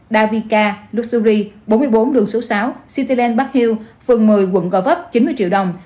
davica luxury bốn mươi bốn đường số sáu cityland park hill phường một mươi quận gò vấp chín mươi triệu đồng